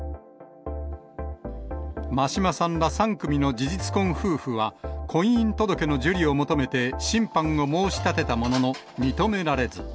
真島さんら３組の事実婚夫婦は、婚姻届の受理を求めて審判を申し立てたものの認められず。